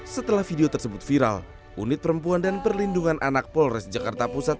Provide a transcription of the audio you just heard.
setelah video tersebut viral unit perempuan dan perlindungan anak polres jakarta pusat